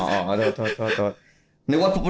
โอ้โหโทษ